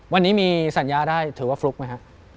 วันนี้มีสัญญาได้ถือว่าฟลุกไหมฮะ